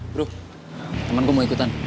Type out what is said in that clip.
bro temen gue mau ikutan